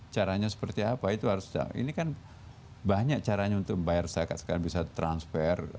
caranya seperti apa itu harus ini kan banyak caranya untuk membayar zakat sekarang bisa transfer